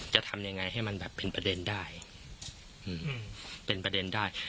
จะทำยังไงให้มันแบบเป็นประเด็นได้เป็นประเด็นได้